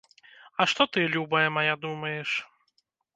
А што ты, любая мая, думаеш?